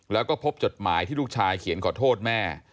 แล้วก็พบจดหมายที่ลูกชายเขียนขอโทษแม่